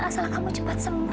asal kamu cepat sembuh